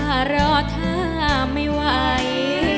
ก็รอทักไม่ไหว